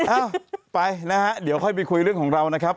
เอ้าไปนะฮะเดี๋ยวค่อยไปคุยเรื่องของเรานะครับ